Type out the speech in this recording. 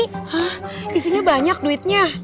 hah isinya banyak duitnya